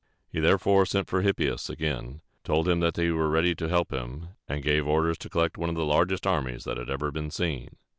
He therefore sent for Hippias again, told him that he was ready to help him, and gave orders to collect one of the largest armies that had ever been seen.